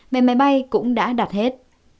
mẹ máy bay cũng đã đặt hết